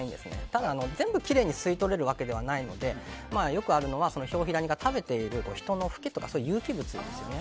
ただ、全部きれいに吸い取れるわけではないのでよくあるのは表皮ダニが食べている人のフケとか有機物ですよね。